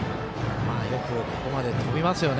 よくここまで飛びますよね。